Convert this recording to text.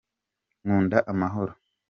nkunda amahoro.